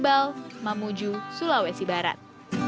nah ini memang sangat menarik